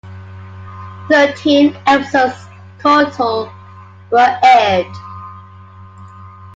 Thirteen episodes total were aired.